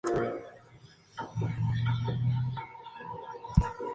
El jardín botánico tiene tres secciones principales,